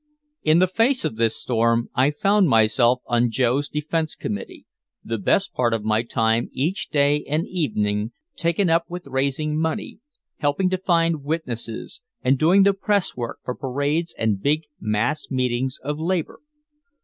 In the face of this storm, I found myself on Joe's defense committee, the best part of my time each day and evening taken up with raising money, helping to find witnesses and doing the press work for parades and big mass meetings of labor.